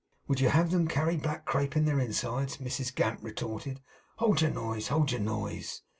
'Would you have 'em carry black crape in their insides?' Mrs Gamp retorted. 'Hold your noise, hold your noise.